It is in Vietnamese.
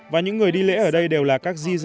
và những người đi lễ ở đây đều là các di dân hàn quốc